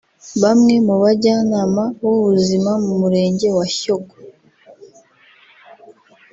Bamwe mu bajyanama b’ubuzima mu Murenge wa Shyogwe